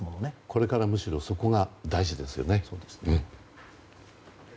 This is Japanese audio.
これから、むしろそこが大事ですよね。